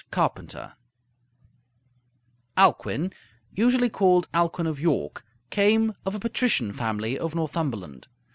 CARPENTER Alcuin, usually called Alcuin of York, came of a patrician family of Northumberland.